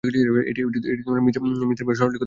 এটি মৃতের বইয়ের সরলীকৃত রূপ।